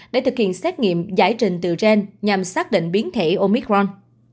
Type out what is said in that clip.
để thực hiện xét nghiệm giải trình từ gen nhằm xác định biến thể omicron